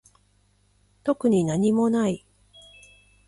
特になにもない